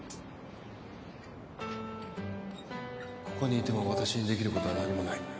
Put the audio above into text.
ここにいても私にできることは何もない